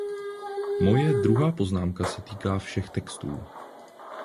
Moje druhá poznámka se týká všech textů.